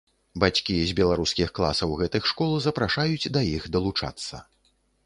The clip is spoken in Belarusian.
Бацькі з беларускіх класаў гэтых школ запрашаюць да іх далучацца.